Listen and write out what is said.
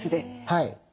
はい。